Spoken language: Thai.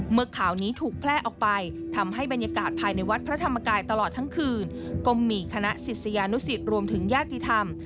เมื่อข่าวนี้ถูกแพร่ออกไปทำให้บรรยากาศภายในวัดพระธรรมกายตลอดทั้งคืนก็มีคณะศิษยานุสิตรวมถึงญาติธรรม